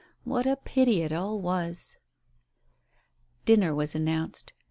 What a pity it all was ! Dinner was announced.